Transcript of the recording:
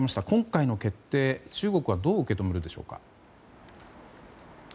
今回の決定、中国はどう受け止めるでしょうか。